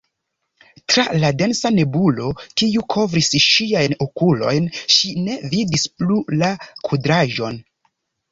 Tra la densa nebulo, kiu kovris ŝiajn okulojn, ŝi ne vidis plu la kudraĵon.